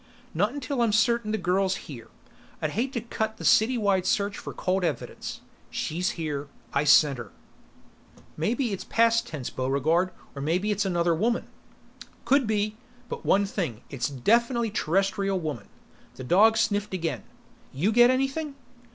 "Not until I'm certain the girl's here. I'd hate to cut the city wide search for cold evidence." "She's here. I scent her." "Maybe it's past tense, Buregarde. Or maybe it's another woman." "Could be. But one thing: It is definitely Terrestrial woman." The dog sniffed again. "You get anything?"